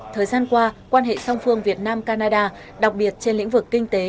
thời gian qua quan hệ song phương việt nam canada đặc biệt trên lĩnh vực kinh tế